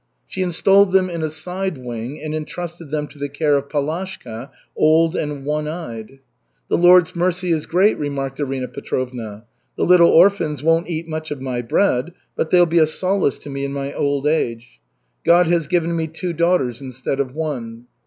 She installed them in a side wing and entrusted them to the care of Palashka, old and one eyed. "The Lord's mercy is great," remarked Arina Petrovna. "The little orphans won't eat much of my bread, but they'll be a solace to me in my old age. God has given me two daughters instead of one."